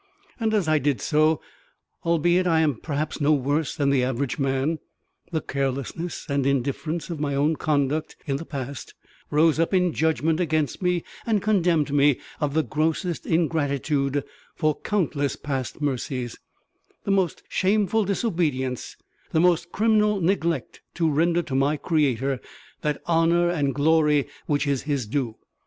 And, as I did so, albeit I am perhaps no worse than the average man, the carelessness and indifference of my own conduct in the past rose up in judgment against me and condemned me of the grossest ingratitude for countless past mercies; the most shameful disobedience; the most criminal neglect to render to my Creator that honour and glory which is His due.